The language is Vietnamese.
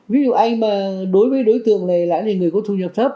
ví dụ anh mà đối với đối tượng này lại là người có thu nhập thấp